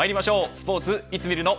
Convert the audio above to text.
スポーツ、いつ見るの。